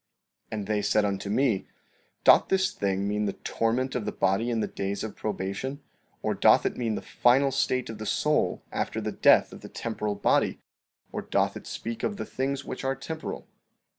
15:31 And they said unto me: Doth this thing mean the torment of the body in the days of probation, or doth it mean the final state of the soul after the death of the temporal body, or doth it speak of the things which are temporal?